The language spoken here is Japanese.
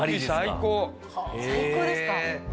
最高ですか？